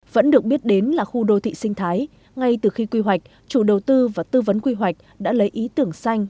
vẫn được biết đến là khu đô thị sinh thái ngay từ khi quy hoạch chủ đầu tư và tư vấn quy hoạch đã lấy ý tưởng xanh